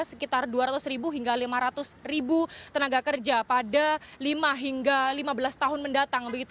sekitar dua ratus ribu hingga lima ratus ribu tenaga kerja pada lima hingga lima belas tahun mendatang